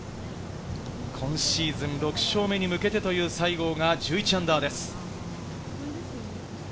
今シーズン６勝目に向けてという西郷が−１１です。